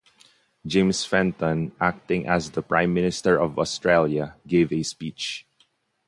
James Fenton acting as the prime minister of Australia gave a speech.